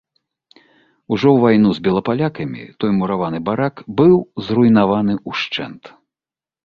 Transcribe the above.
Ужо ў вайну з белапалякамі той мураваны барак быў зруйнаваны ўшчэнт.